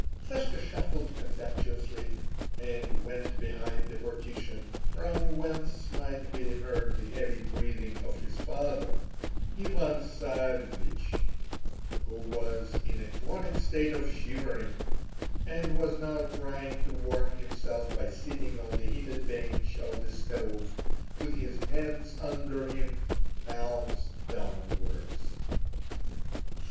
Sashka shuffled contemptuously, and went behind the partition, from whence might be heard the heavy breathing of his father, Ivan Savvich, who was in a chronic state of shivering, and was now trying to warm himself by sitting on the heated bench of the stove with his hands under him, palms downwards.